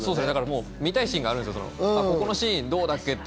見たいシーンがあるんですよ、ここのシーンどうだっけとか。